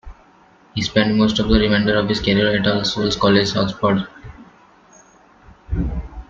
He spent most of the remainder of his career at All Souls College, Oxford.